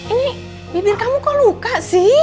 ini bibir kamu kok luka sih